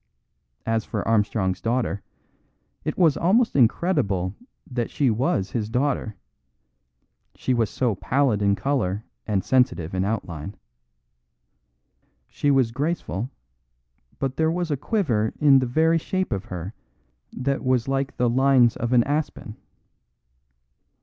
As for Armstrong's daughter, it was almost incredible that she was his daughter; she was so pallid in colour and sensitive in outline. She was graceful, but there was a quiver in the very shape of her that was like the lines of an aspen.